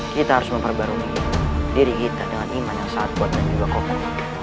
kita harus memperbarui diri kita dengan iman yang sangat kuat dan juga kokoh